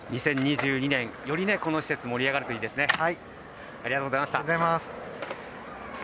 ２０２２年、よりこの施設盛り上がるといいですね。